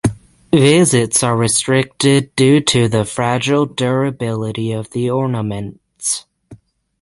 Visits are restricted due to the fragile durability of the ornaments.